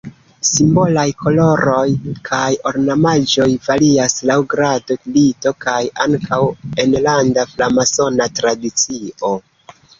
Simbolaj koloroj kaj ornamaĵoj varias laŭ grado, rito kaj ankaŭ enlanda framasona tradicio.